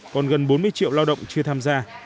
còn gần bốn mươi triệu lao động chưa tham gia